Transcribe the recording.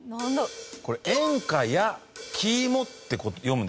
これ「演歌」や「きいも」って読むんですよ